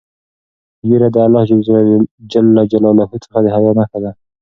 ږیره د الله جل جلاله څخه د حیا نښه ده.